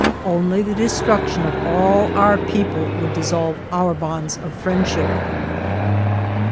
Only the destruction of all our people would dissolve our bonds of friendship.